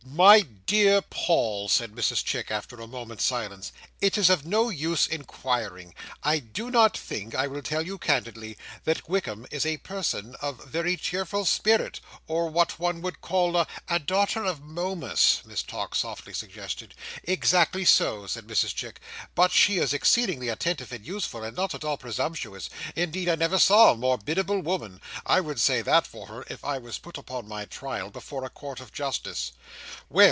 "My dear Paul," said Mrs Chick, after a moment's silence, "it is of no use inquiring. I do not think, I will tell you candidly that Wickam is a person of very cheerful spirit, or what one would call a—" "A daughter of Momus," Miss Tox softly suggested. "Exactly so," said Mrs Chick; "but she is exceedingly attentive and useful, and not at all presumptuous; indeed I never saw a more biddable woman. I would say that for her, if I was put upon my trial before a Court of Justice." "Well!